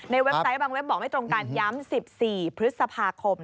เว็บไซต์บางเว็บบอกไม่ตรงกันย้ำ๑๔พฤษภาคม